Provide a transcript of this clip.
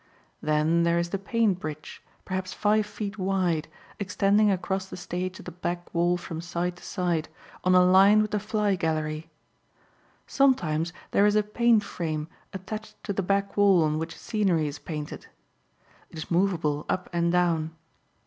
Then there is the "paint bridge," perhaps five feet wide, extending across the stage at the back wall from side to side, on a line with the "fly gallery." Sometimes there is a "paint frame" attached to the back wall on which scenery is painted. It is movable up and down.